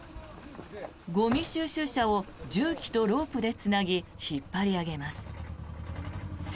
ゴミ収集車を重機とロープでつなぎ引っ張り上げます。